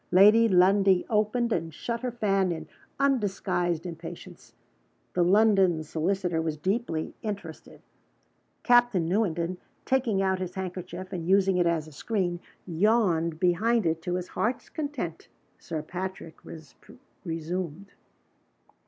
Lad y Lundie opened and shut her fan in undisguised impatience. The London solicitor was deeply interested. Captain Newenden, taking out his handkerchief, and using it as a screen, yawned behind it to his heart's content. Sir Patrick resumed.